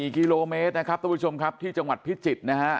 ๔กิโลเมตรนะครับทุกผู้ชมครับที่จังหวัดพิจิตรนะฮะ